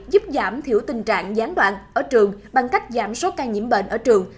giúp giảm thiểu tình trạng gián đoạn ở trường bằng cách giảm số ca nhiễm bệnh ở trường